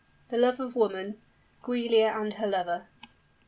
THE LOVE OF WOMAN GIULIA AND HER LOVER.